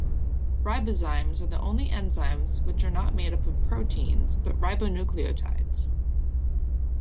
Ribozymes are the only enzymes which are not made up of proteins, but ribonucleotides.